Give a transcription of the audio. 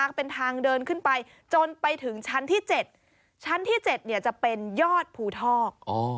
เป็นทางเดินขึ้นไปจนไปถึงชั้นที่๗ชั้นที่๗เนี่ยจะเป็นยอดภูทอก